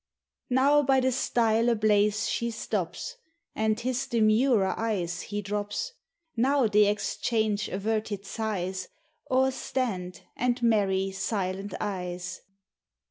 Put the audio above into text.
Now by the stile ablaze she stops, And his demurer eyes he drops; Now they exchange averted sighs Or stand and marry silent eyes.